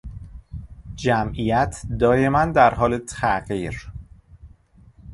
جمعیت دایما در تغییر